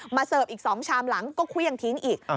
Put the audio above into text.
เสิร์ฟอีก๒ชามหลังก็เครื่องทิ้งอีก